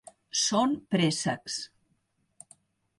Són préssecs.